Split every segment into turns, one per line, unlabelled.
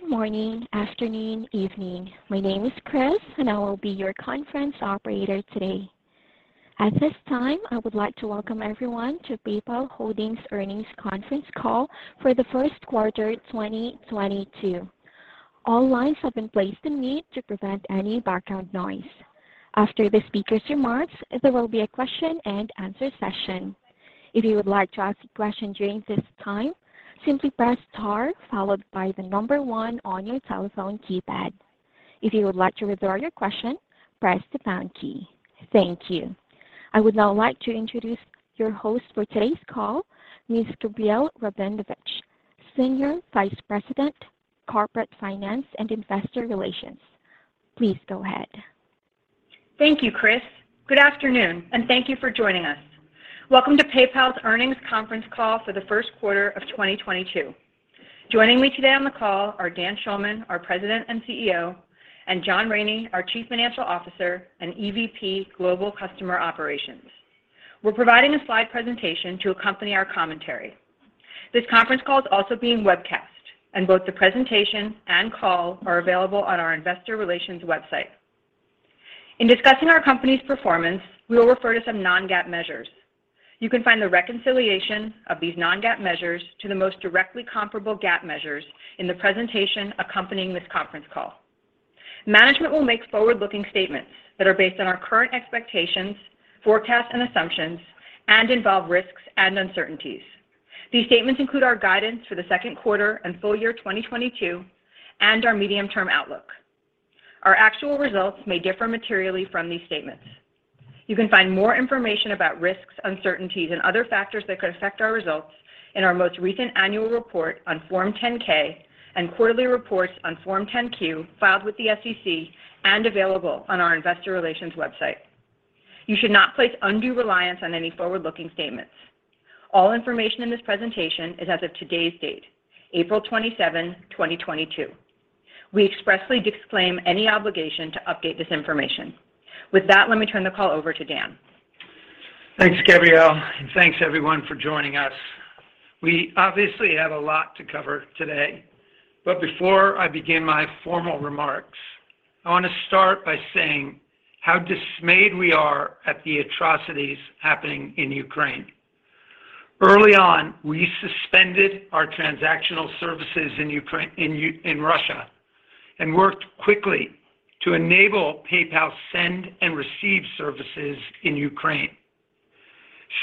Good morning, afternoon, evening. My name is Chris, and I will be your conference operator today. At this time, I would like to welcome everyone to PayPal Holdings Earnings Conference Call for the first quarter, 2022. All lines have been placed in mute to prevent any background noise. After the speaker's remarks, there will be a question and answer session. If you would like to ask a question during this time, simply press star followed by the number 1 on your telephone keypad. If you would like to withdraw your question, press the pound key. Thank you. I would now like to introduce your host for today's call, Ms. Gabrielle Rabinovitch, Senior Vice President, Corporate Finance and Investor Relations. Please go ahead.
Thank you, Chris. Good afternoon, and thank you for joining us. Welcome to PayPal's Earnings Conference Call for the first quarter of 2022. Joining me today on the call are Dan Schulman, our President and CEO, and John Rainey, our Chief Financial Officer and EVP Global Customer Operations. We're providing a slide presentation to accompany our commentary. This conference call is also being webcast, and both the presentation and call are available on our Investor Relations website. In discussing our company's performance, we will refer to some non-GAAP measures. You can find the reconciliation of these non-GAAP measures to the most directly comparable GAAP measures in the presentation accompanying this conference call. Management will make forward-looking statements that are based on our current expectations, forecasts, and assumptions, and involve risks and uncertainties. These statements include our guidance for the second quarter and full year 2022, and our medium-term outlook. Our actual results may differ materially from these statements. You can find more information about risks, uncertainties, and other factors that could affect our results in our most recent annual report on Form 10-K and quarterly reports on Form 10-Q filed with the SEC and available on our Investor Relations website. You should not place undue reliance on any forward-looking statements. All information in this presentation is as of today's date, April 27, 2022. We expressly disclaim any obligation to update this information. With that, let me turn the call over to Dan.
Thanks, Gabrielle, and thanks everyone for joining us. We obviously have a lot to cover today. Before I begin my formal remarks, I want to start by saying how dismayed we are at the atrocities happening in Ukraine. Early on, we suspended our transactional services in Russia and worked quickly to enable PayPal send and receive services in Ukraine.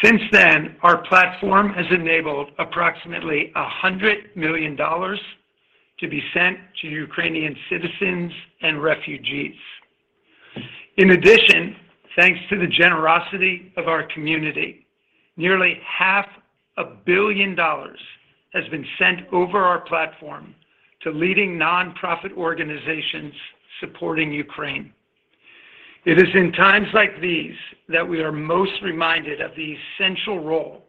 Since then, our platform has enabled approximately $100 million to be sent to Ukrainian citizens and refugees. In addition, thanks to the generosity of our community, nearly $0.5 billion has been sent over our platform to leading nonprofit organizations supporting Ukraine. It is in times like these that we are most reminded of the essential role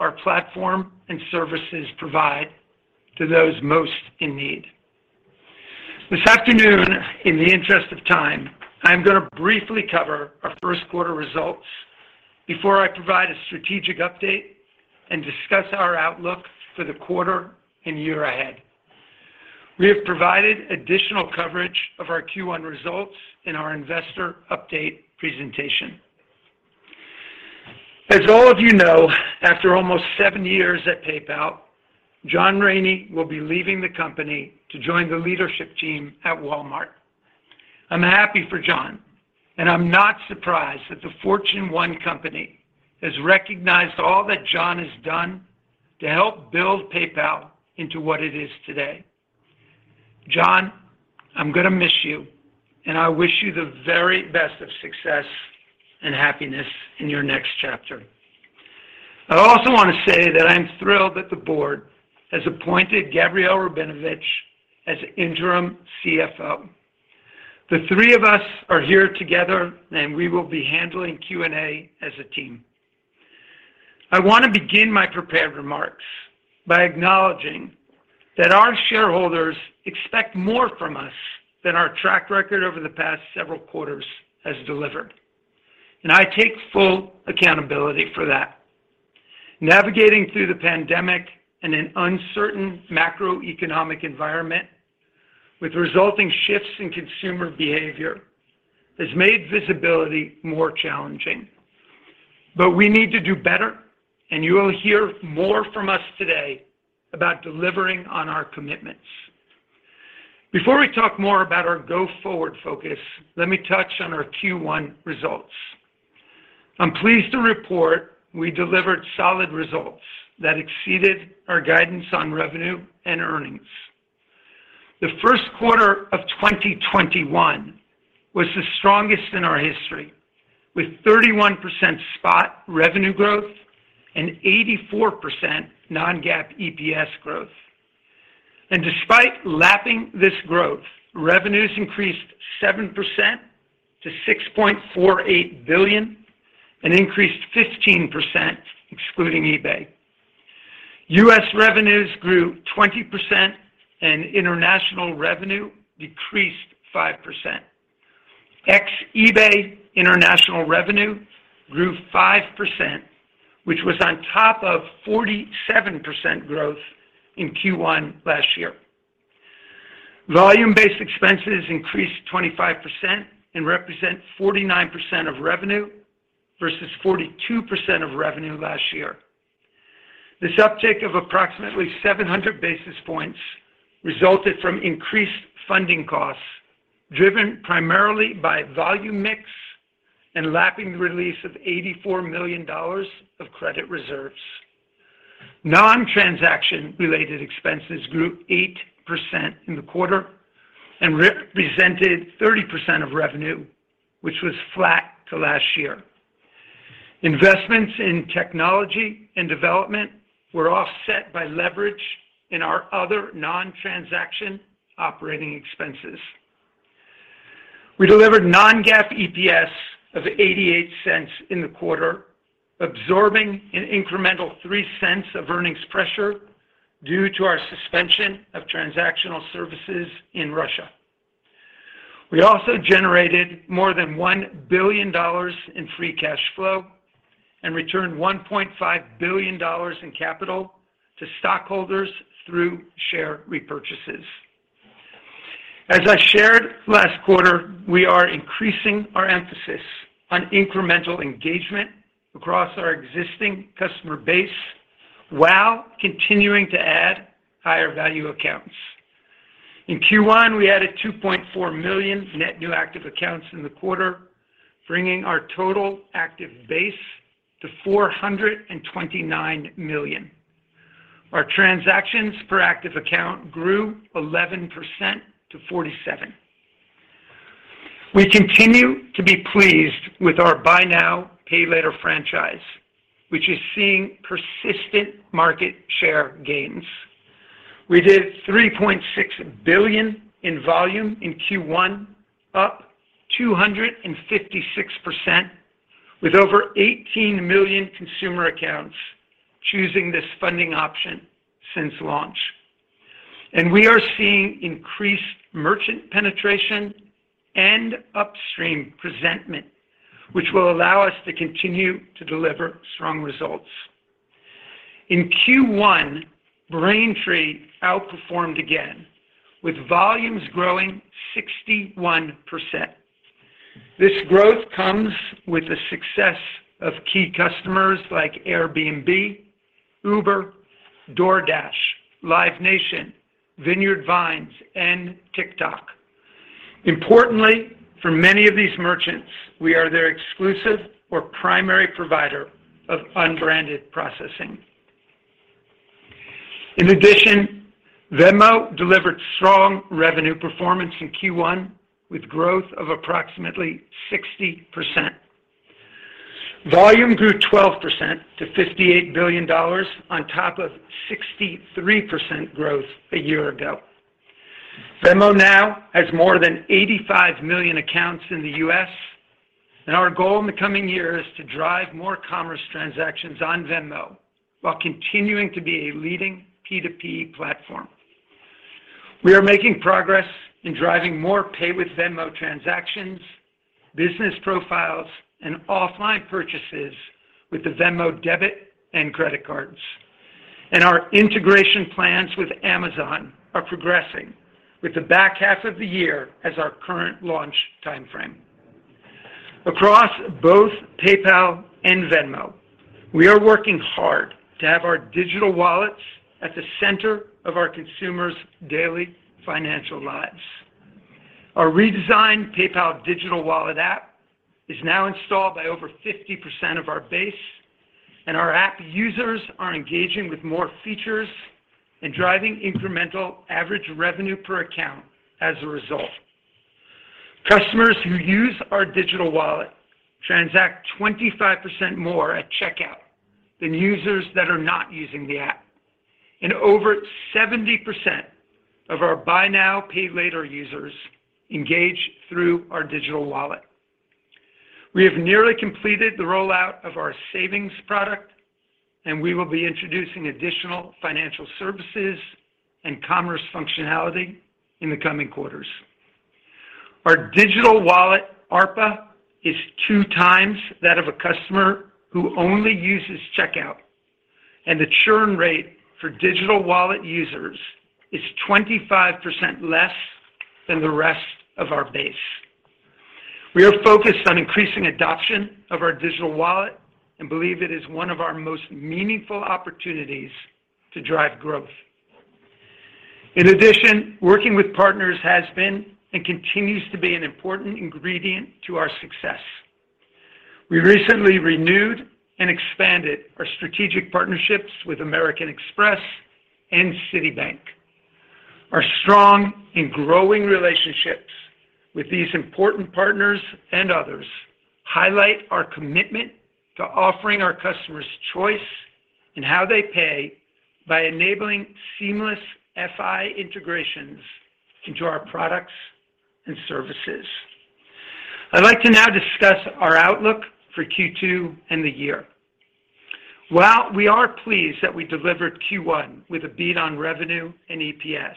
our platform and services provide to those most in need. This afternoon, in the interest of time, I'm going to briefly cover our first quarter results before I provide a strategic update and discuss our outlook for the quarter and year ahead. We have provided additional coverage of our Q1 results in our investor update presentation. As all of you know, after almost seven years at PayPal, John Rainey will be leaving the company to join the leadership team at Walmart. I'm happy for John, and I'm not surprised that the Fortune 1 company has recognized all that John has done to help build PayPal into what it is today. John, I'm gonna miss you, and I wish you the very best of success and happiness in your next chapter. I also want to say that I'm thrilled that the board has appointed Gabrielle Rabinovitch as Interim CFO. The three of us are here together, and we will be handling Q&A as a team. I want to begin my prepared remarks by acknowledging that our shareholders expect more from us than our track record over the past several quarters has delivered, and I take full accountability for that. Navigating through the pandemic in an uncertain macroeconomic environment with resulting shifts in consumer behavior has made visibility more challenging. We need to do better, and you will hear more from us today about delivering on our commitments. Before we talk more about our go-forward focus, let me touch on our Q1 results. I'm pleased to report we delivered solid results that exceeded our guidance on revenue and earnings. The first quarter of 2021 was the strongest in our history, with 31% spot revenue growth and 84% non-GAAP EPS growth. Despite lapping this growth, revenues increased 7% to $6.48 billion and increased 15% excluding eBay. U.S. revenues grew 20%, and international revenue decreased 5%. Ex-eBay international revenue grew 5% which was on top of 47% growth in Q1 last year. Volume-based expenses increased 25% and represent 49% of revenue versus 42% of revenue last year. This uptick of approximately 700 basis points resulted from increased funding costs, driven primarily by volume mix and lapping the release of $84 million of credit reserves. Nontransaction-related expenses grew 8% in the quarter and represented 30% of revenue, which was flat to last year. Investments in technology and development were offset by leverage in our other nontransaction operating expenses. We delivered non-GAAP EPS of $0.88 in the quarter, absorbing an incremental $0.03 of earnings pressure due to our suspension of transactional services in Russia. We also generated more than $1 billion in free cash flow and returned $1.5 billion in capital to stockholders through share repurchases. As I shared last quarter, we are increasing our emphasis on incremental engagement across our existing customer base while continuing to add higher value accounts. In Q1, we added 2.4 million net new active accounts in the quarter, bringing our total active base to 429 million. Our transactions per active account grew 11% to 47. We continue to be pleased with our buy now, pay later franchise, which is seeing persistent market share gains. We did $3.6 billion in volume in Q1, up 256% with over 18 million consumer accounts choosing this funding option since launch. We are seeing increased merchant penetration and upstream presentment, which will allow us to continue to deliver strong results. In Q1, Braintree outperformed again with volumes growing 61%. This growth comes with the success of key customers like Airbnb, Uber, DoorDash, Live Nation, vineyard vines, and TikTok. Importantly, for many of these merchants, we are their exclusive or primary provider of unbranded processing. In addition, Venmo delivered strong revenue performance in Q1 with growth of approximately 60%. Volume grew 12% to $58 billion on top of 63% growth a year ago. Venmo now has more than 85 million accounts in the U.S., and our goal in the coming year is to drive more commerce transactions on Venmo while continuing to be a leading P2P platform. We are making progress in driving more Pay with Venmo transactions, business profiles, and offline purchases with the Venmo debit and credit cards. Our integration plans with Amazon are progressing, with the back half of the year as our current launch timeframe. Across both PayPal and Venmo, we are working hard to have our digital wallets at the center of our consumers' daily financial lives. Our redesigned PayPal digital wallet app is now installed by over 50% of our base, and our app users are engaging with more features and driving incremental average revenue per account as a result. Customers who use our digital wallet transact 25% more at checkout than users that are not using the app. Over 70% of our buy now, pay later users engage through our digital wallet. We have nearly completed the rollout of our savings product, and we will be introducing additional financial services and commerce functionality in the coming quarters. Our digital wallet ARPA is two times that of a customer who only uses checkout, and the churn rate for digital wallet users is 25% less than the rest of our base. We are focused on increasing adoption of our digital wallet and believe it is one of our most meaningful opportunities to drive growth. In addition, working with partners has been and continues to be an important ingredient to our success. We recently renewed and expanded our strategic partnerships with American Express and Citi. Our strong and growing relationships with these important partners and others highlight our commitment to offering our customers choice in how they pay by enabling seamless FI integrations into our products and services. I'd like to now discuss our outlook for Q2 and the year. While we are pleased that we delivered Q1 with a beat on revenue and EPS,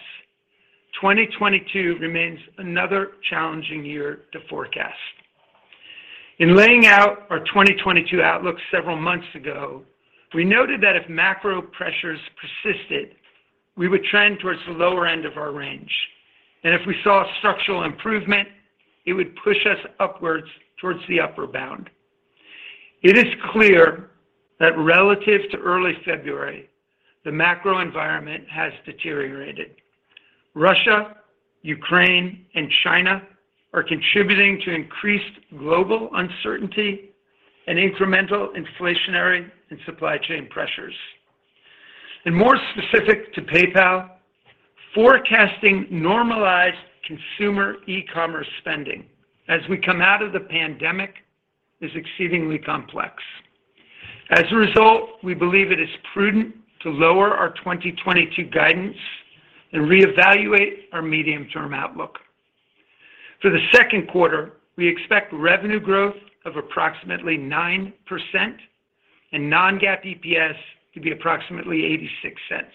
2022 remains another challenging year to forecast. In laying out our 2022 outlook several months ago, we noted that if macro pressures persisted we would trend towards the lower end of our range and if we saw structural improvement it would push us upwards towards the upper bound. It is clear that relative to early February, the macro environment has deteriorated. Russia, Ukraine, and China are contributing to increased global uncertainty and incremental inflationary and supply chain pressures. More specific to PayPal, forecasting normalized consumer e-commerce spending as we come out of the pandemic is exceedingly complex. As a result, we believe it is prudent to lower our 2022 guidance and reevaluate our medium-term outlook. For the second quarter, we expect revenue growth of approximately 9% and non-GAAP EPS to be approximately $0.86.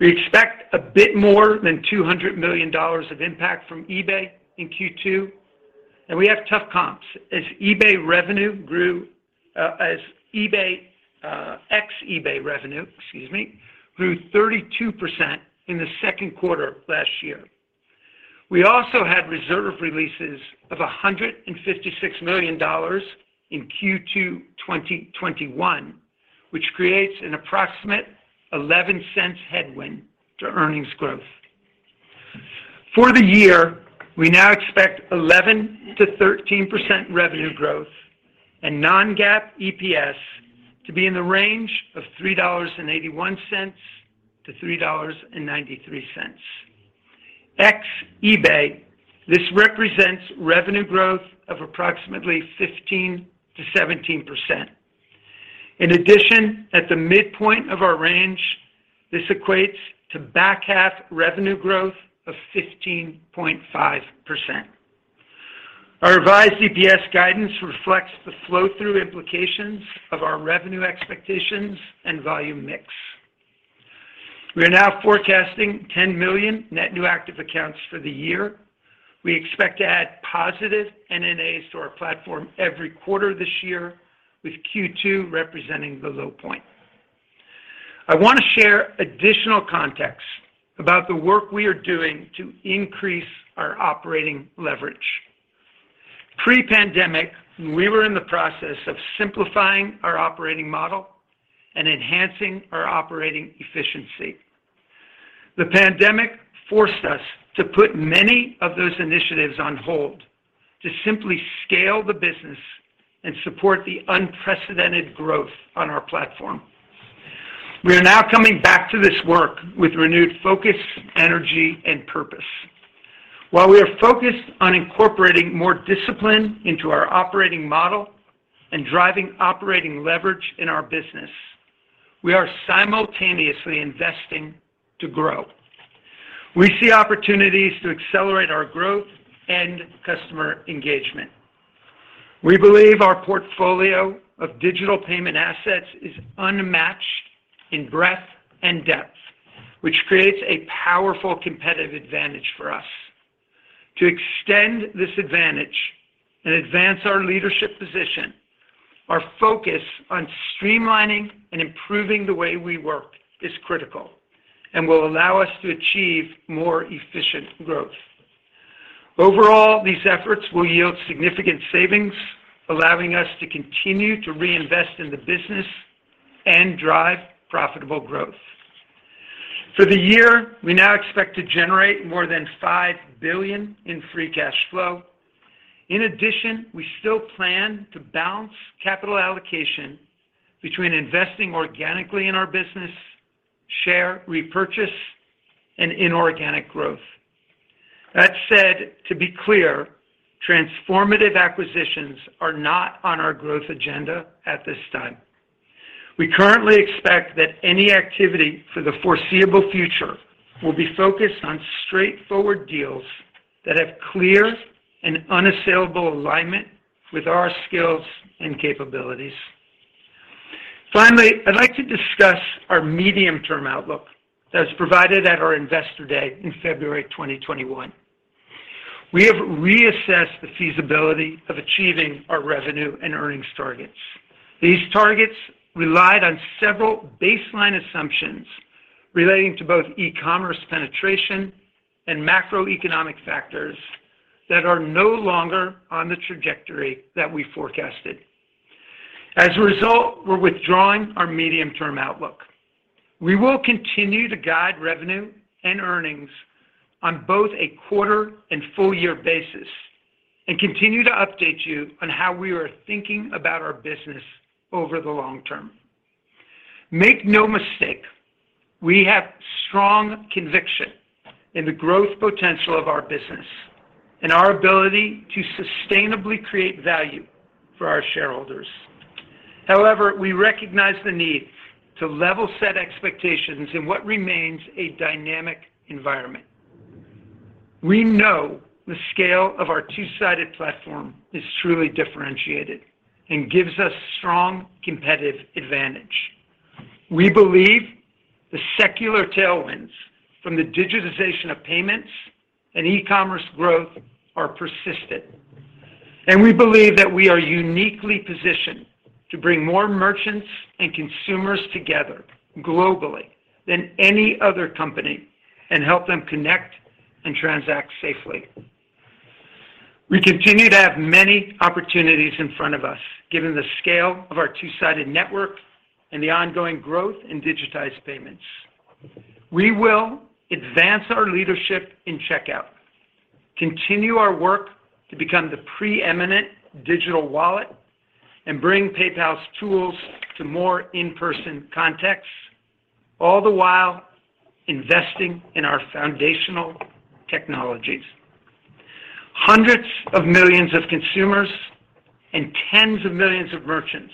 We expect a bit more than $200 million of impact from eBay in Q2, and we have tough comps as ex-eBay revenue, excuse me, grew 32% in the second quarter of last year. We also had reserve releases of $156 million in Q2 2021, which creates an approximate $0.11 headwind to earnings growth. For the year, we now expect 11%-13% revenue growth and non-GAAP EPS to be in the range of $3.81-$3.93. Ex-eBay, this represents revenue growth of approximately 15%-17%. In addition, at the midpoint of our range, this equates to back half revenue growth of 15.5%. Our revised EPS guidance reflects the flow-through implications of our revenue expectations and volume mix. We are now forecasting 10 million net new active accounts for the year. We expect to add positive NNAs to our platform every quarter this year, with Q2 representing the low point. I want to share additional context about the work we are doing to increase our operating leverage. Pre-pandemic, we were in the process of simplifying our operating model and enhancing our operating efficiency. The pandemic forced us to put many of those initiatives on hold to simply scale the business and support the unprecedented growth on our platform. We are now coming back to this work with renewed focus, energy, and purpose. While we are focused on incorporating more discipline into our operating model and driving operating leverage in our business, we are simultaneously investing to grow. We see opportunities to accelerate our growth and customer engagement. We believe our portfolio of digital payment assets is unmatched in breadth and depth, which creates a powerful competitive advantage for us. To extend this advantage and advance our leadership position, our focus on streamlining and improving the way we work is critical and will allow us to achieve more efficient growth. Overall, these efforts will yield significant savings, allowing us to continue to reinvest in the business and drive profitable growth. For the year, we now expect to generate more than $5 billion in free cash flow. In addition, we still plan to balance capital allocation between investing organically in our business, share repurchase, and inorganic growth. That said, to be clear, transformative acquisitions are not on our growth agenda at this time. We currently expect that any activity for the foreseeable future will be focused on straightforward deals that have clear and unassailable alignment with our skills and capabilities. Finally, I'd like to discuss our medium-term outlook as provided at our Investor Day in February 2021. We have reassessed the feasibility of achieving our revenue and earnings targets. These targets relied on several baseline assumptions relating to both e-commerce penetration and macroeconomic factors that are no longer on the trajectory that we forecasted. As a result, we're withdrawing our medium-term outlook. We will continue to guide revenue and earnings on both a quarter and full year basis and continue to update you on how we are thinking about our business over the long term. Make no mistake, we have strong conviction in the growth potential of our business and our ability to sustainably create value for our shareholders. However, we recognize the need to level set expectations in what remains a dynamic environment. We know the scale of our two-sided platform is truly differentiated and gives us strong competitive advantage. We believe the secular tailwinds from the digitization of payments and e-commerce growth are persistent. We believe that we are uniquely positioned to bring more merchants and consumers together globally than any other company and help them connect and transact safely. We continue to have many opportunities in front of us, given the scale of our two-sided network and the ongoing growth in digitized payments. We will advance our leadership in checkout, continue our work to become the preeminent digital wallet, and bring PayPal's tools to more in-person contexts, all the while investing in our foundational technologies. Hundreds of millions of consumers and tens of millions of merchants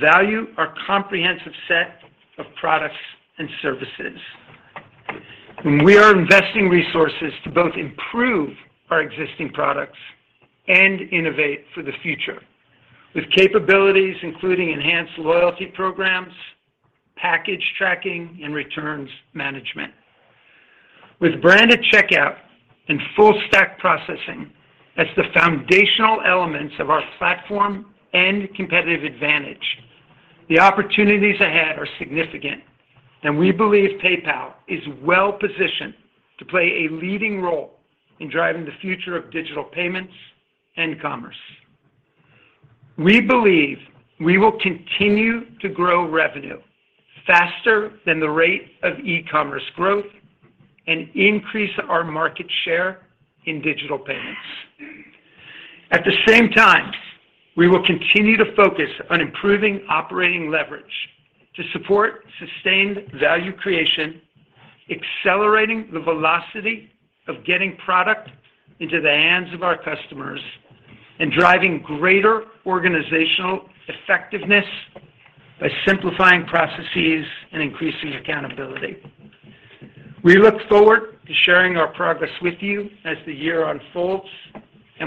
value our comprehensive set of products and services. We are investing resources to both improve our existing products and innovate for the future, with capabilities including enhanced loyalty programs, package tracking, and returns management. With branded checkout and full stack processing as the foundational elements of our platform and competitive advantage, the opportunities ahead are significant, and we believe PayPal is well-positioned to play a leading role in driving the future of digital payments and commerce. We believe we will continue to grow revenue faster than the rate of e-commerce growth and increase our market share in digital payments. At the same time, we will continue to focus on improving operating leverage to support sustained value creation, accelerating the velocity of getting product into the hands of our customers, and driving greater organizational effectiveness by simplifying processes and increasing accountability. We look forward to sharing our progress with you as the year unfolds.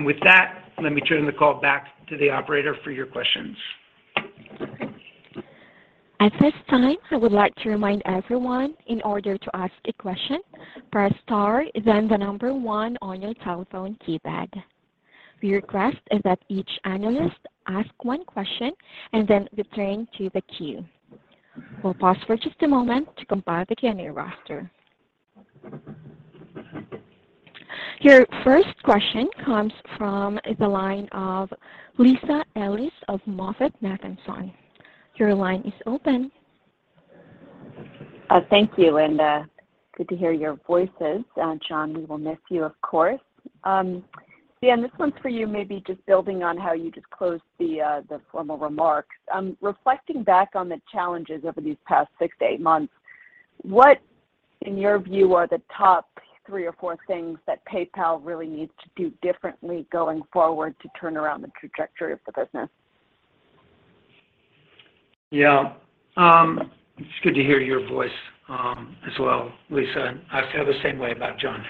With that, let me turn the call back to the operator for your questions.
At this time, I would like to remind everyone that in order to ask a question, press star then the number one on your telephone keypad. We request that each analyst ask one question and then return to the queue. We'll pause for just a moment to compile the Q&A roster. Your first question comes from the line of Lisa Ellis of MoffettNathanson. Your line is open.
Thank you, and good to hear your voices. John, we will miss you, of course. Dan, this one's for you, maybe just building on how you just closed the formal remarks. Reflecting back on the challenges over these past six to eight months, what in your view are the top three or four things that PayPal really needs to do differently going forward to turn around the trajectory of the business?
Yeah. It's good to hear your voice, as well, Lisa. I feel the same way about John.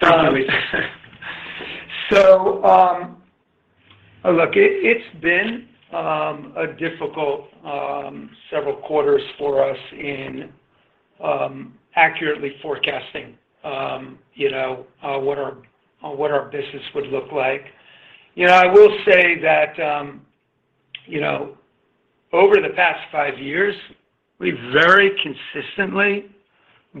Thank you, Lisa. Look, it's been a difficult several quarters for us in accurately forecasting, you know, what our business would look like. You know, I will say that, you know, over the past five years, we've very consistently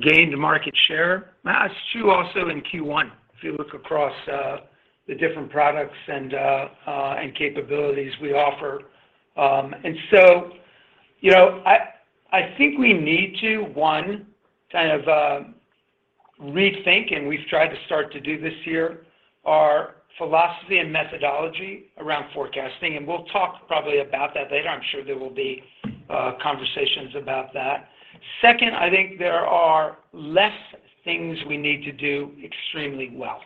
gained market share. That's true also in Q1, if you look across the different products and capabilities we offer. You know, I think we need to, one, kind of, rethink, and we've tried to start to do this year, our philosophy and methodology around forecasting, and we'll talk probably about that later. I'm sure there will be conversations about that. Second, I think there are less things we need to do extremely well.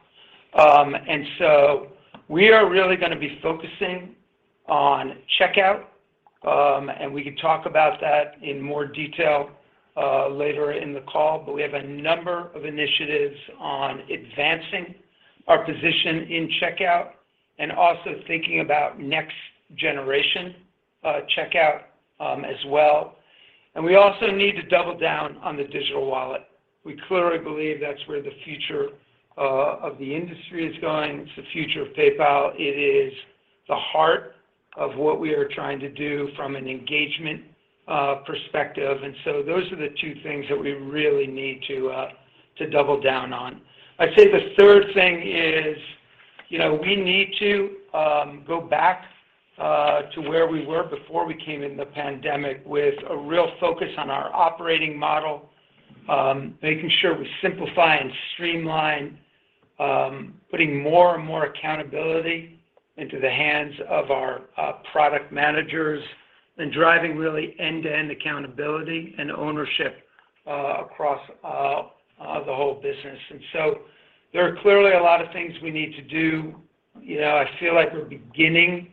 We are really gonna be focusing on checkout, and we can talk about that in more detail later in the call. We have a number of initiatives on advancing our position in checkout and also thinking about next generation checkout as well. We also need to double down on the digital wallet. We clearly believe that's where the future of the industry is going. It's the future of PayPal. It is the heart of what we are trying to do from an engagement perspective. Those are the two things that we really need to double down on. I'd say the third thing is, you know, we need to go back to where we were before we came in the pandemic with a real focus on our operating model, making sure we simplify and streamline, putting more and more accountability into the hands of our product managers and driving really end-to-end accountability and ownership across the whole business. There are clearly a lot of things we need to do. You know, I feel like we're beginning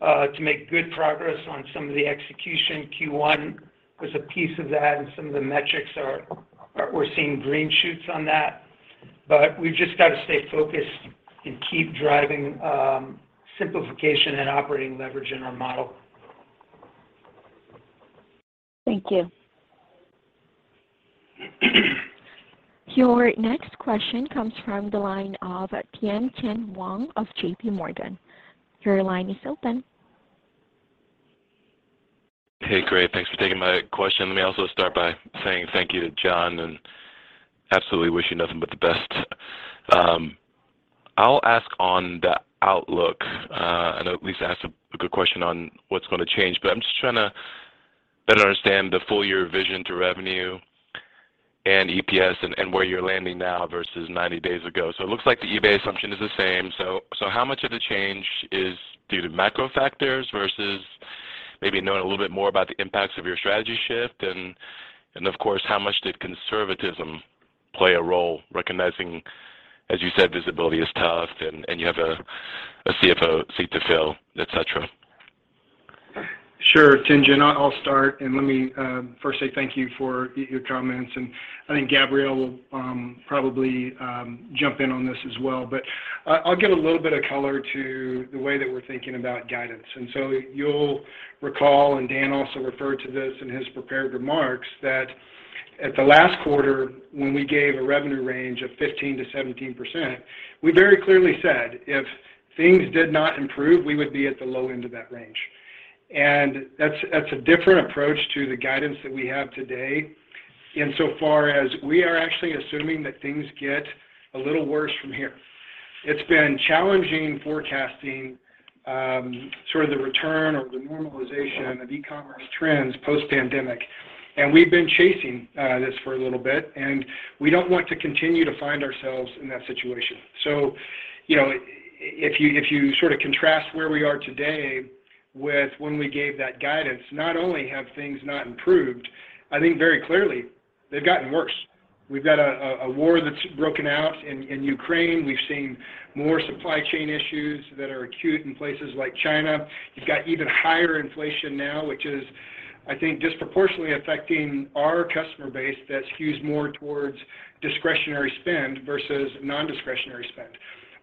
To make good progress on some of the execution. Q1 was a piece of that, and some of the metrics are. We're seeing green shoots on that. We've just got to stay focused and keep driving simplification and operating leverage in our model.
Thank you.
Your next question comes from the line of Tien-Tsin Huang of JPMorgan. Your line is open.
Hey, great. Thanks for taking my question. Let me also start by saying thank you to John, and absolutely wish you nothing but the best. I'll ask on the outlook. I know Lisa asked a good question on what's going to change, but I'm just trying to better understand the full year guidance to revenue and EPS and where you're landing now versus 90 days ago. It looks like the eBay assumption is the same. How much of the change is due to macro factors versus maybe knowing a little bit more about the impacts of your strategy shift? Of course, how much did conservatism play a role, recognizing, as you said, visibility is tough and you have a CFO seat to fill, et cetera.
Sure, Tien-Tsin. I'll start, and let me first say thank you for your comments. I think Gabrielle will probably jump in on this as well, but I'll give a little bit of color to the way that we're thinking about guidance. You'll recall, and Dan also referred to this in his prepared remarks, that at the last quarter, when we gave a revenue range of 15%-17%, we very clearly said, if things did not improve, we would be at the low end of that range. That's a different approach to the guidance that we have today insofar as we are actually assuming that things get a little worse from here. It's been challenging forecasting sort of the return or the normalization of e-commerce trends post-pandemic. We've been chasing this for a little bit, and we don't want to continue to find ourselves in that situation. You know, if you sort of contrast where we are today with when we gave that guidance, not only have things not improved, I think very clearly they've gotten worse. We've got a war that's broken out in Ukraine. We've seen more supply chain issues that are acute in places like China. You've got even higher inflation now, which I think is disproportionately affecting our customer base that skews more towards discretionary spend versus non-discretionary spend.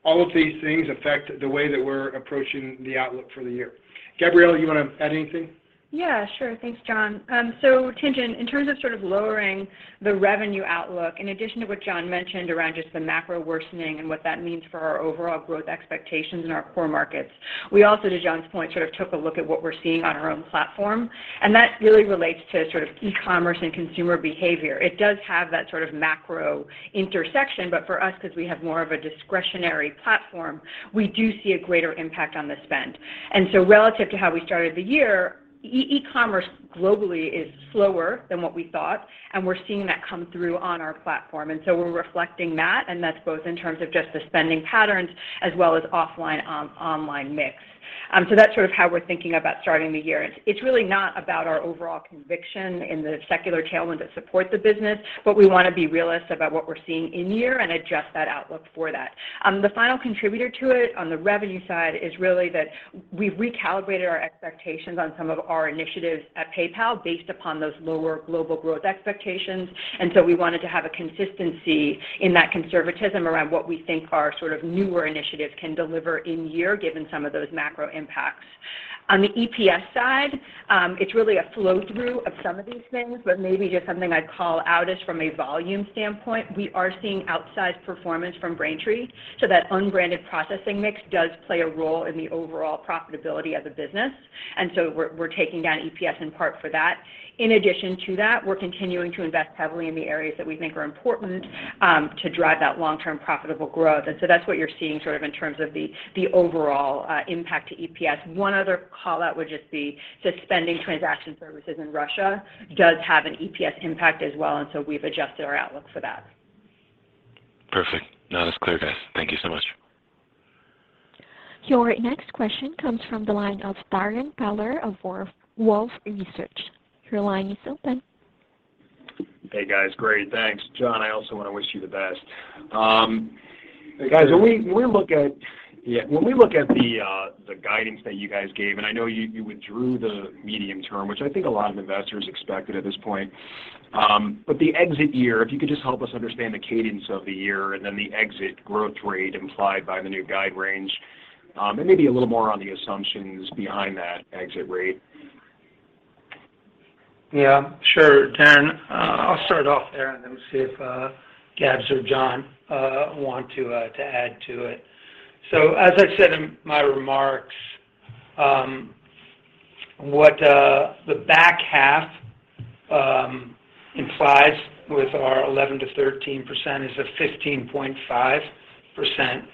All of these things affect the way that we're approaching the outlook for the year. Gabrielle, you want to add anything?
Yeah, sure. Thanks, John. Tien-Tsin, in terms of sort of lowering the revenue outlook, in addition to what John mentioned around just the macro worsening and what that means for our overall growth expectations in our core markets, we also, to John's point, sort of took a look at what we're seeing on our own platform, and that really relates to sort of e-commerce and consumer behavior. It does have that sort of macro intersection, but for us, because we have more of a discretionary platform, we do see a greater impact on the spend. Relative to how we started the year, e-commerce globally is slower than what we thought, and we're seeing that come through on our platform. We're reflecting that, and that's both in terms of just the spending patterns as well as offline, online mix. That's sort of how we're thinking about starting the year. It's really not about our overall conviction in the secular tailwind that supports the business, but we want to be realistic about what we're seeing in year and adjust that outlook for that. The final contributor to it on the revenue side is really that we've recalibrated our expectations on some of our initiatives at PayPal based upon those lower global growth expectations. We wanted to have a consistency in that conservatism around what we think our sort of newer initiatives can deliver in year given some of those macro impacts. On the EPS side, it's really a flow-through of some of these things, but maybe just something I'd call out is from a volume standpoint, we are seeing outsized performance from Braintree. That unbranded processing mix does play a role in the overall profitability of the business, and we're taking down EPS in part for that. In addition to that, we're continuing to invest heavily in the areas that we think are important to drive that long-term profitable growth. That's what you're seeing sort of in terms of the overall impact to EPS. One other call-out would just be suspending transaction services in Russia does have an EPS impact as well, and we've adjusted our outlook for that.
Perfect. No, that's clear, guys. Thank you so much.
Your next question comes from the line of Darrin Peller of Wolfe Research. Your line is open.
Hey, guys. Great. Thanks. John, I also want to wish you the best. Guys, when we look at the guidance that you guys gave, and I know you withdrew the medium term, which I think a lot of investors expected at this point. The exit year, if you could just help us understand the cadence of the year and then the exit growth rate implied by the new guide range, and maybe a little more on the assumptions behind that exit rate.
Yeah, sure, Darrin. I'll start off there and then see if Gabs or John want to add to it. As I said in my remarks, what the back half implies with our 11%-13% is a 15.5%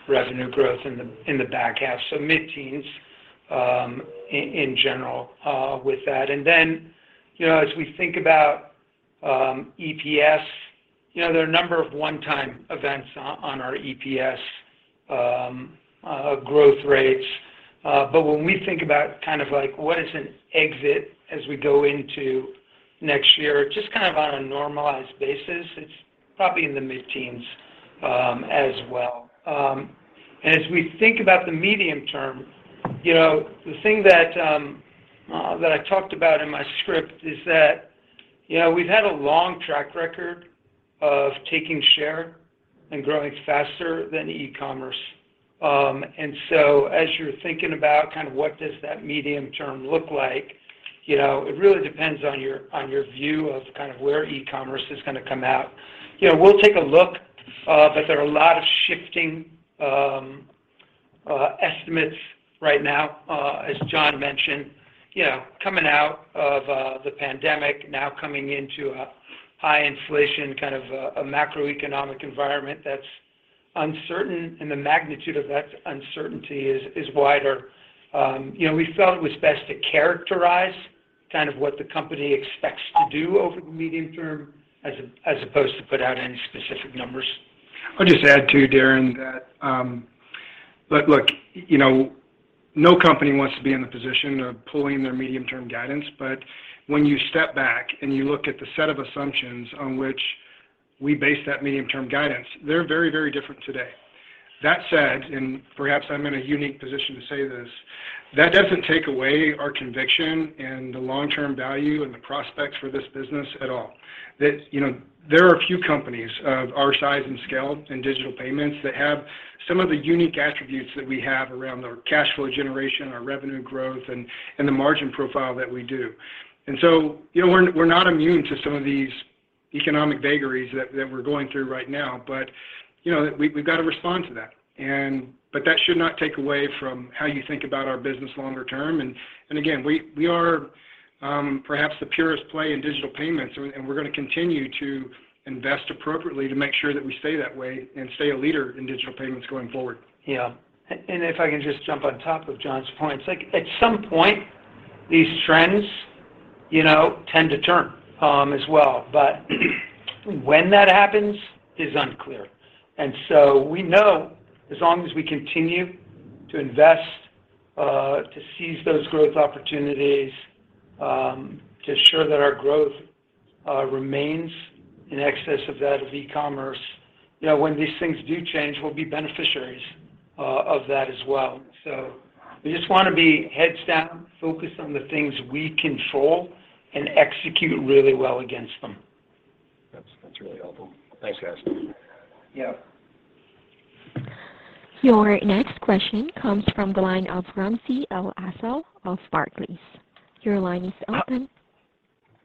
revenue growth in the back half. Mid-teens in general with that. You know, as we think about EPS, you know, there are a number of one-time events on our EPS growth rates. When we think about kind of like what is an exit as we go into Next year, just kind of on a normalized basis, it's probably in the mid-teens, as well. As we think about the medium term, you know, the thing that I talked about in my script is that, you know, we've had a long track record of taking share and growing faster than e-commerce. As you're thinking about kind of what does that medium term look like, you know, it really depends on your, on your view of kind of where e-commerce is gonna come out. You know, we'll take a look, but there are a lot of shifting estimates right now, as John mentioned, you know, coming out of the pandemic, now coming into a high inflation, kind of a macroeconomic environment that's uncertain, and the magnitude of that uncertainty is wider. You know, we felt it was best to characterize kind of what the company expects to do over the medium term as opposed to put out any specific numbers.
I'll just add, too, Darrin, that, look, you know, no company wants to be in the position of pulling their medium-term guidance, but when you step back and you look at the set of assumptions on which we base that medium-term guidance, they're very, very different today. That said, and perhaps I'm in a unique position to say this, that doesn't take away our conviction in the long-term value and the prospects for this business at all. That, you know, there are a few companies of our size and scale in digital payments that have some of the unique attributes that we have around our cash flow generation, our revenue growth, and the margin profile that we do. You know, we're not immune to some of these economic vagaries that we're going through right now, but you know, we've got to respond to that. But that should not take away from how you think about our business longer term. Again, we are perhaps the purest play in digital payments and we're gonna continue to invest appropriately to make sure that we stay that way and stay a leader in digital payments going forward.
Yeah. If I can just jump on top of John's points. Like, at some point these trends, you know, tend to turn, as well. When that happens is unclear. We know as long as we continue to invest to seize those growth opportunities, to ensure that our growth remains in excess of that of e-commerce, you know, when these things do change, we'll be beneficiaries of that as well. We just wanna be heads down, focused on the things we control and execute really well against them.
That's really helpful. Thanks, guys.
Yeah.
Your next question comes from the line of Ramsey El-Assal of Barclays. Your line is open.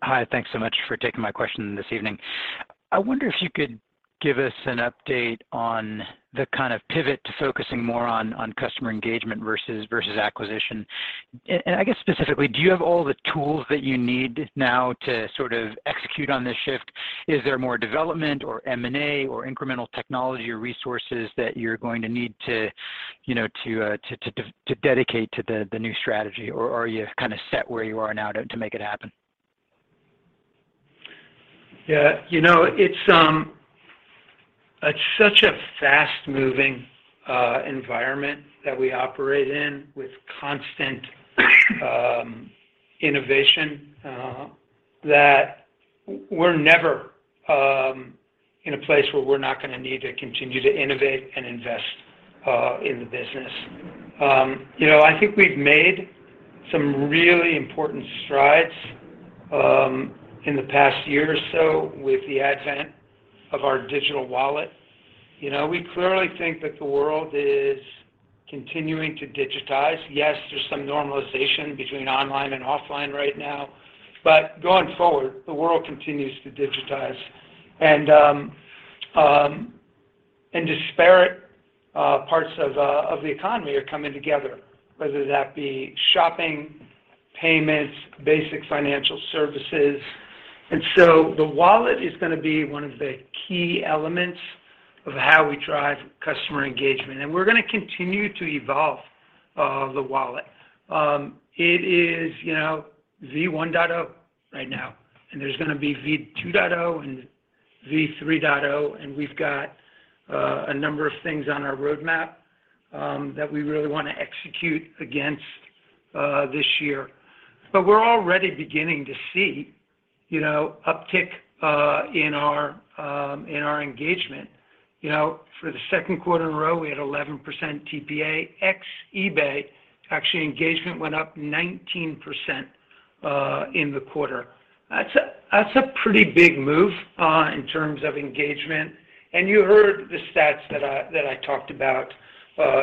Hi. Thanks so much for taking my question this evening. I wonder if you could give us an update on the kind of pivot to focusing more on customer engagement versus acquisition. I guess specifically, do you have all the tools that you need now to sort of execute on this shift? Is there more development or M&A or incremental technology or resources that you're going to need to, you know, to dedicate to the new strategy? Are you kind of set where you are now to make it happen?
Yeah, you know, it's such a fast-moving environment that we operate in with constant innovation that we're never in a place where we're not gonna need to continue to innovate and invest in the business. You know, I think we've made some really important strides in the past year or so with the advent of our digital wallet. You know, we clearly think that the world is continuing to digitize. Yes, there's some normalization between online and offline right now. But going forward, the world continues to digitize. Disparate parts of the economy are coming together, whether that be shopping, payments, basic financial services. The wallet is gonna be one of the key elements of how we drive customer engagement. We're gonna continue to evolve the wallet. It is, you know, V 1.0 right now, and there's gonna be V 2.0 and V 3.0, and we've got a number of things on our roadmap that we really wanna execute against this year. We're already beginning to see, you know, uptick in our engagement. You know, for the second quarter in a row, we had 11% TPA ex-eBay. Actually, engagement went up 19% in the quarter. That's a pretty big move in terms of engagement. You heard the stats that I talked about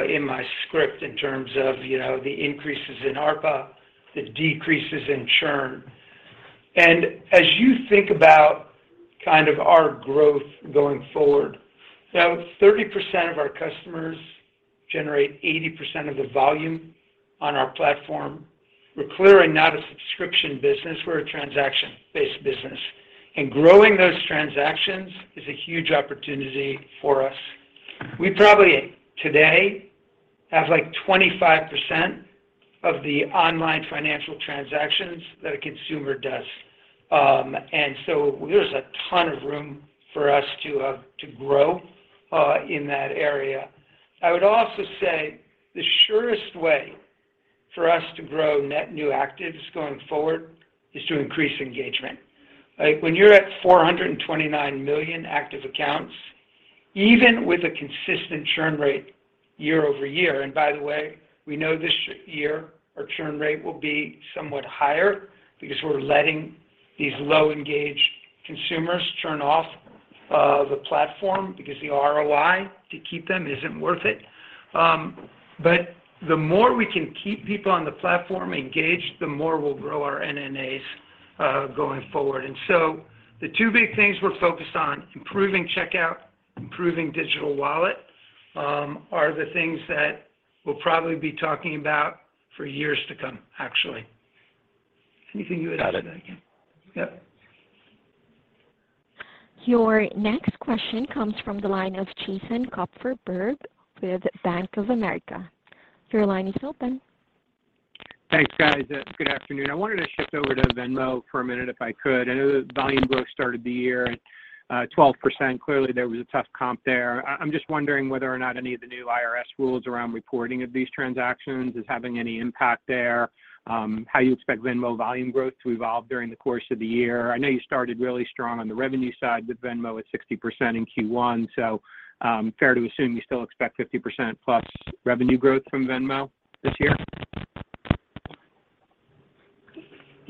in my script in terms of, you know, the increases in ARPA, the decreases in churn. As you think about kind of our growth going forward, you know, 30% of our customers generate 80% of the volume on our platform. We're clearly not a subscription business, we're a transaction-based business. Growing those transactions is a huge opportunity for us. We probably today have like 25% of the online financial transactions that a consumer does. There's a ton of room for us to grow in that area. I would also say the surest way for us to grow net new actives going forward is to increase engagement. Like, when you're at 429 million active accounts, even with a consistent churn rate year-over-year, and by the way, we know this year our churn rate will be somewhat higher because we're letting these low-engaged consumers churn off the platform because the ROI to keep them isn't worth it. But the more we can keep people on the platform engaged, the more we'll grow our NNAs going forward. So the two big things we're focused on, improving checkout, improving digital wallet, are the things that we'll probably be talking about for years to come, actually. Anything you would add to that, Ramsey?
Got it.
Yep.
Your next question comes from the line of Jason Kupferberg with Bank of America. Your line is open.
Thanks, guys. Good afternoon. I wanted to shift over to Venmo for a minute if I could. I know that volume growth started the year at 12%. Clearly, there was a tough comp there. I'm just wondering whether or not any of the new IRS rules around reporting of these transactions is having any impact there, how you expect Venmo volume growth to evolve during the course of the year. I know you started really strong on the revenue side with Venmo at 60% in Q1, so fair to assume you still expect 50%+ revenue growth from Venmo this year?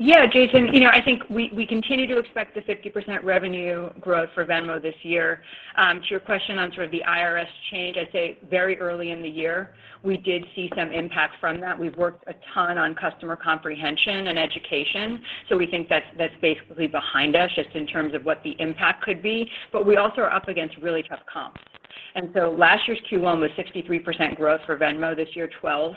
Yeah, Jason. You know, I think we continue to expect the 50% revenue growth for Venmo this year. To your question on sort of the IRS change, I'd say very early in the year, we did see some impact from that. We've worked a ton on customer comprehension and education, so we think that's basically behind us just in terms of what the impact could be. We also are up against really tough comps. Last year's Q1 was 63% growth for Venmo, this year 12%.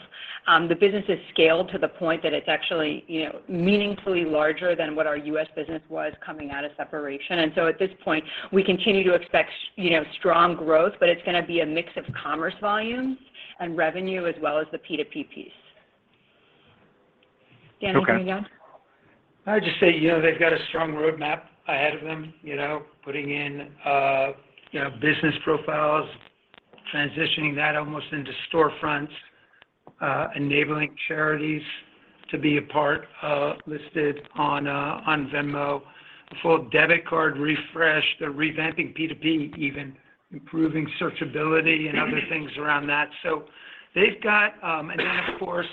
The business has scaled to the point that it's actually, you know, meaningfully larger than what our U.S. business was coming out of separation. At this point, we continue to expect, you know, strong growth, but it's gonna be a mix of commerce volumes and revenue as well as the P2P piece.
Okay.
Dan, anything you want to add?
I'd just say, you know, they've got a strong roadmap ahead of them, you know, putting in, you know, business profiles, transitioning that almost into storefronts, enabling charities to be a part, listed on Venmo, a full debit card refresh. They're revamping P2P even, improving searchability and other things around that. They've got and then of course,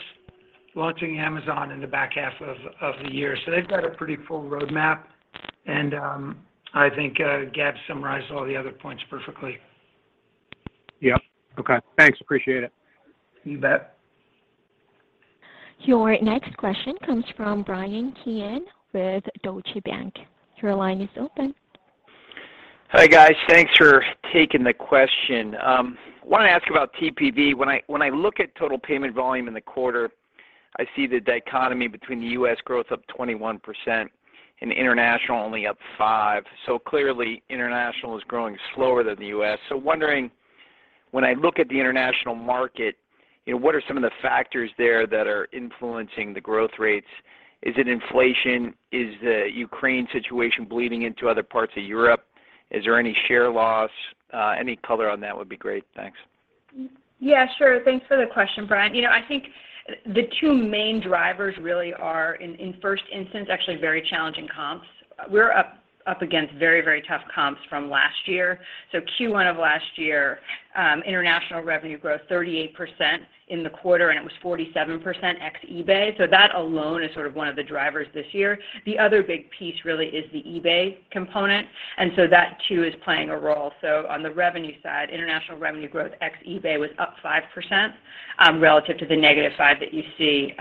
launching Amazon in the back half of the year. They've got a pretty full roadmap, and, I think, Gab summarized all the other points perfectly.
Yeah. Okay. Thanks, appreciate it.
You bet.
Your next question comes from Bryan Keane with Deutsche Bank. Your line is open.
Hi, guys. Thanks for taking the question. Wanted to ask about TPV. When I look at total payment volume in the quarter, I see the dichotomy between the U.S. growth up 21% and international only up 5%. Clearly, international is growing slower than the U.S. Wondering, when I look at the international market, you know, what are some of the factors there that are influencing the growth rates? Is it inflation? Is the Ukraine situation bleeding into other parts of Europe? Is there any share loss? Any color on that would be great. Thanks.
Yeah, sure. Thanks for the question, Bryan. You know, I think the two main drivers really are in first instance, actually very challenging comps. We're up against very tough comps from last year. Q1 of last year, international revenue growth 38% in the quarter, and it was 47% ex-eBay. That alone is sort of one of the drivers this year. The other big piece really is the eBay component, and so that too is playing a role. On the revenue side, international revenue growth ex-eBay was up 5%, relative to the -5% that you see.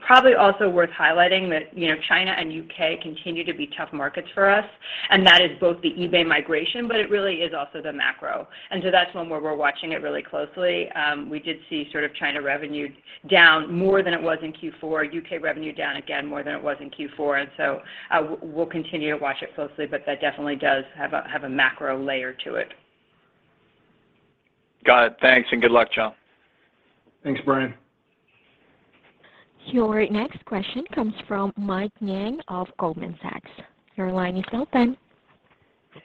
Probably also worth highlighting that, you know, China and U.K. continue to be tough markets for us, and that is both the eBay migration, but it really is also the macro. That's one where we're watching it really closely. We did see sort of China revenue down more than it was in Q4, U.K. revenue down again more than it was in Q4. We'll continue to watch it closely, but that definitely does have a macro layer to it.
Got it. Thanks, and good luck, y'all.
Thanks, Bryan.
Your next question comes from Mike Ng of Goldman Sachs. Your line is open.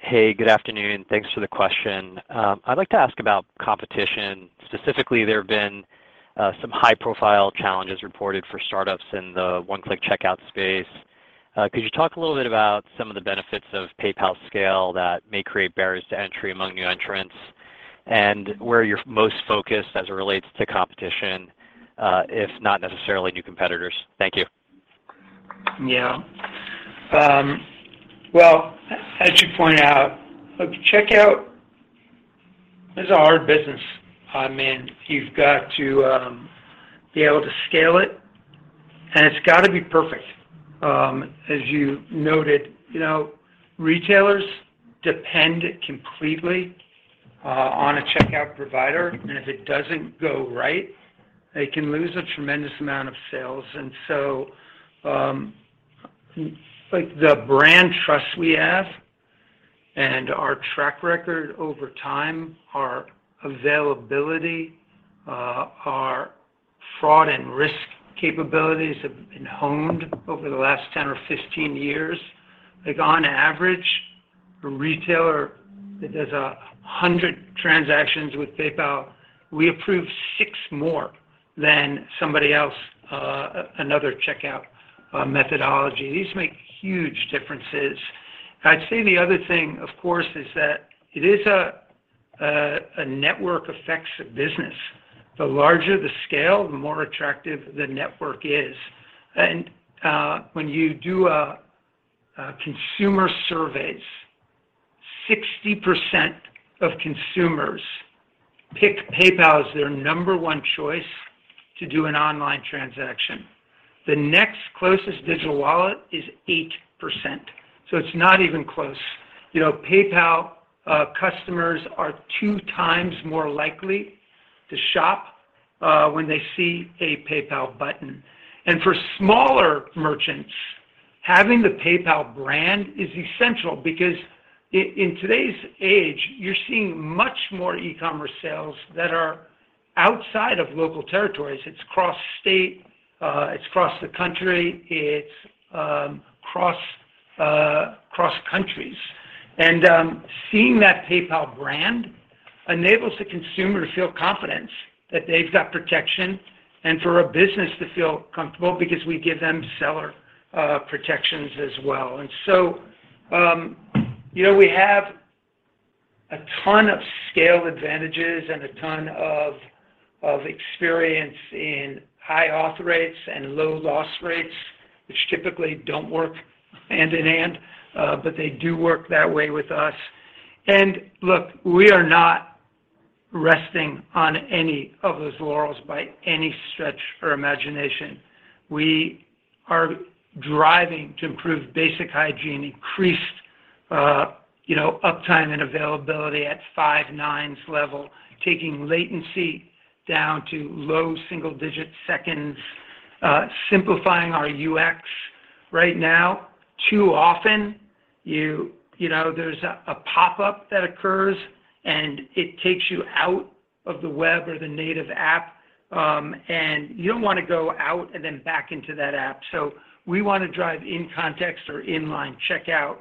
Hey, good afternoon. Thanks for the question. I'd like to ask about competition. Specifically, there have been some high-profile challenges reported for startups in the one-click checkout space. Could you talk a little bit about some of the benefits of PayPal's scale that may create barriers to entry among new entrants and where you're most focused as it relates to competition, if not necessarily new competitors? Thank you.
Yeah. Well, as you point out, checkout is a hard business to hop in. You've got to be able to scale it, and it's got to be perfect. As you noted, you know, retailers depend completely on a checkout provider, and if it doesn't go right, they can lose a tremendous amount of sales. Like the brand trust we have and our track record over time, our availability, our fraud and risk capabilities have been honed over the last 10 or 15 years. Like on average, a retailer that does 100 transactions with PayPal, we approve six more than somebody else, another checkout methodology. These make huge differences. I'd say the other thing, of course, is that it is a network effects business. The larger the scale, the more attractive the network is. When you do consumer surveys, 60% of consumers pick PayPal as their number one choice to do an online transaction. The next closest digital wallet is 8%, so it's not even close. You know, PayPal customers are two times more likely to shop when they see a PayPal button. For smaller merchants, having the PayPal brand is essential because in today's age, you're seeing much more e-commerce sales that are outside of local territories. It's cross-state, cross-country, cross-countries. Seeing that PayPal brand enables the consumer to feel confidence that they've got protection and for a business to feel comfortable because we give them seller protections as well. You know, we have a ton of scale advantages and a ton of experience in high auth rates and low loss rates, which typically don't work hand-in-hand, but they do work that way with us. Look, we are not resting on any of those laurels by any stretch or imagination. We are driving to improve basic hygiene, increasing uptime and availability at five nines level, taking latency down to low single-digit seconds, simplifying our UX right now. Too often you know, there's a pop-up that occurs, and it takes you out of the web or the native app, and you don't wanna go out and then back into that app. We wanna drive in-context or inline checkout.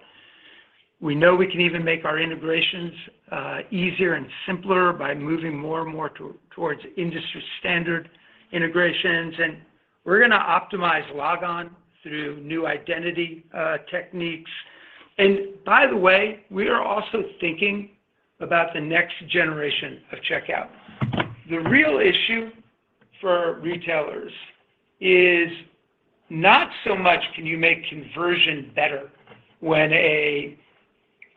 We know we can even make our integrations easier and simpler by moving more and more towards industry standard integrations. We're gonna optimize logon through new identity techniques. By the way, we are also thinking about the next generation of checkout. The real issue for retailers is not so much, can you make conversion better when a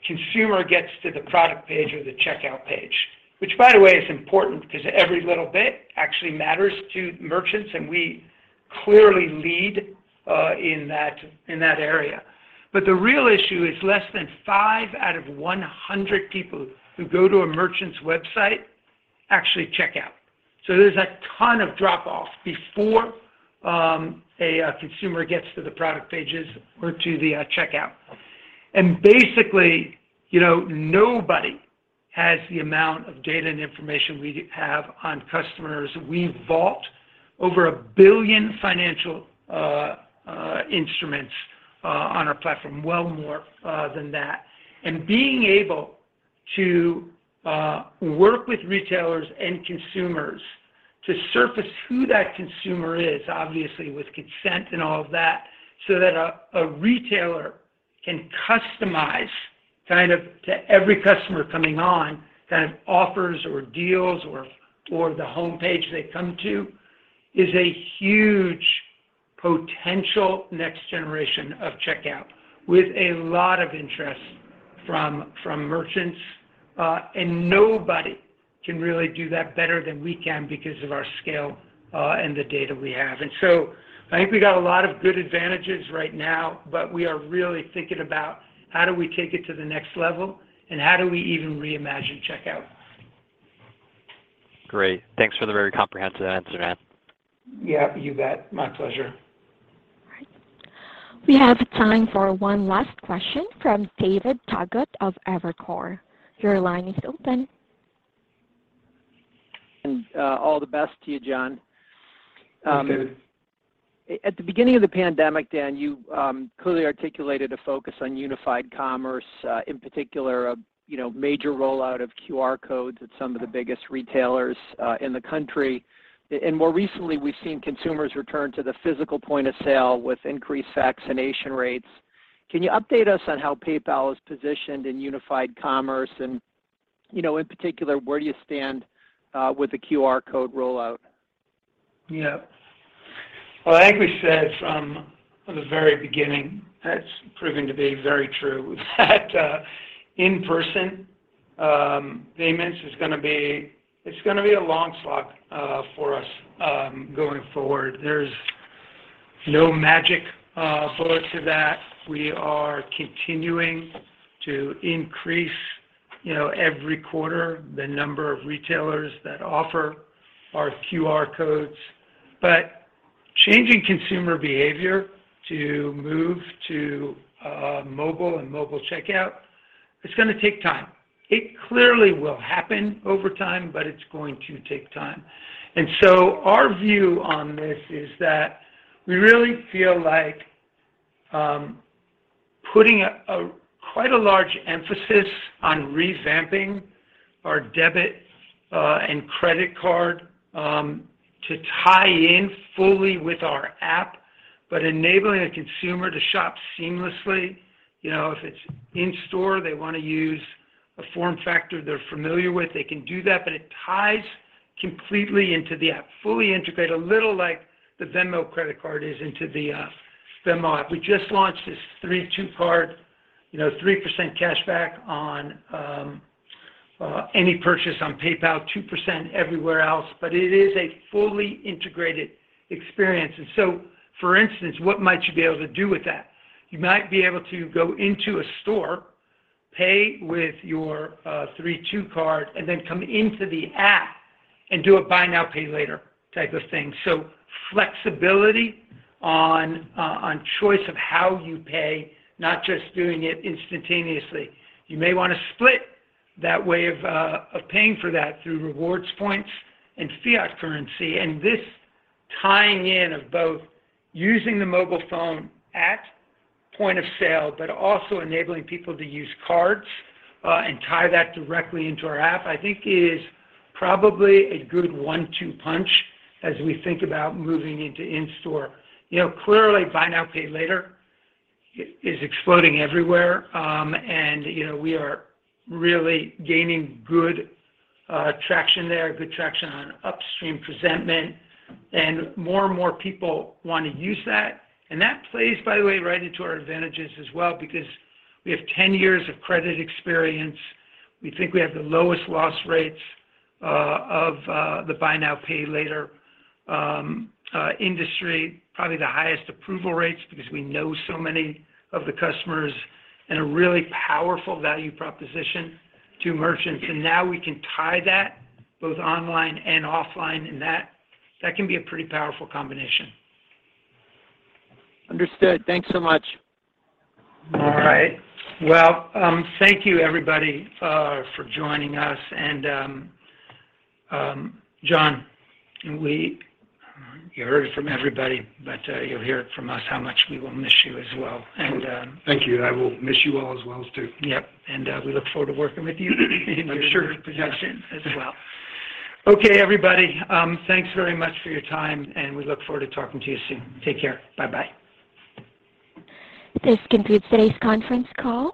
consumer gets to the product page or the checkout page, which by the way is important because every little bit actually matters to merchants, and we clearly lead in that area. The real issue is less than five out of 100 people who go to a merchant's website actually check out. There's a ton of drop off before a consumer gets to the product pages or to the checkout. Basically, you know, nobody has the amount of data and information we have on customers. We vault over a billion financial instruments on our platform, well more than that. Being able to work with retailers and consumers to surface who that consumer is, obviously with consent and all of that, so that a retailer can customize kind of to every customer coming on kind of offers or deals or the homepage they come to is a huge potential next generation of checkout with a lot of interest from merchants. Nobody can really do that better than we can because of our scale and the data we have. I think we got a lot of good advantages right now, but we are really thinking about how do we take it to the next level and how do we even reimagine checkout.
Great. Thanks for the very comprehensive answer, Dan.
Yeah, you bet. My pleasure.
All right. We have time for one last question from David Togut of Evercore. Your line is open.
All the best to you, John.
Thank you, David.
At the beginning of the pandemic, Dan, you clearly articulated a focus on unified commerce, in particular, you know, major rollout of QR codes at some of the biggest retailers in the country. More recently, we've seen consumers return to the physical point of sale with increased vaccination rates. Can you update us on how PayPal is positioned in unified commerce, you know, in particular, where do you stand with the QR code rollout?
Yeah. Well, I think we said from the very beginning, that's proven to be very true, that in-person payments is gonna be a long slog for us going forward. There's no magic bullet to that. We are continuing to increase, you know, every quarter the number of retailers that offer our QR codes. Changing consumer behavior to move to mobile and mobile checkout, it's gonna take time. It clearly will happen over time, but it's going to take time. Our view on this is that we really feel like putting quite a large emphasis on revamping our debit and credit card to tie in fully with our app, but enabling a consumer to shop seamlessly. You know, if it's in-store, they wanna use a form factor they're familiar with, they can do that, but it ties completely into the app, fully integrated, a little like the Venmo credit card is into the Venmo app. We just launched this 3-2 card, you know, 3% cashback on any purchase on PayPal, 2% everywhere else. It is a fully integrated experience. For instance, what might you be able to do with that? You might be able to go into a store, pay with your 3-2 card, and then come into the app and do a buy now, pay later type of thing. Flexibility on choice of how you pay, not just doing it instantaneously. You may wanna split that way of paying for that through rewards points and fiat currency, and this tying in of both using the mobile phone at point of sale, but also enabling people to use cards, and tie that directly into our app, I think is probably a good one-two punch as we think about moving into in-store. You know, clearly, buy now, pay later is exploding everywhere. You know, we are really gaining good traction there, good traction on upstream presentment, and more and more people want to use that. That plays, by the way, right into our advantages as well because we have 10 years of credit experience. We think we have the lowest loss rates of the buy now, pay later industry, probably the highest approval rates because we know so many of the customers and a really powerful value proposition to merchants. Now we can tie that both online and offline, and that can be a pretty powerful combination.
Understood. Thanks so much.
All right. Well, thank you everybody for joining us. John, you heard it from everybody, but you'll hear it from us how much we will miss you as well.
Thank you. I will miss you all as well, too.
Yep. We look forward to working with you.
Sure.
in your new position as well. Okay, everybody, thanks very much for your time, and we look forward to talking to you soon. Take care. Bye-bye.
This concludes today's conference call.